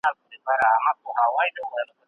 ما د هغې څېړنې په اړه معلومات ولوستل.